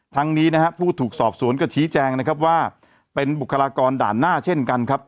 ทางนี้ผู้ถูกสอบสวนก็ชี้แจงว่าเป็นบุคลากรด่านหน้าเช่นกัน